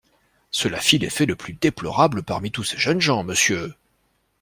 Cela fit l'effet le plus déplorable parmi tous ces jeunes gens, Monsieur!